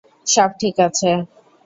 সব ঠিক আছে!